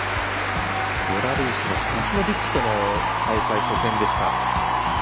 ベラルーシのサスノビッチとの大会初戦でした。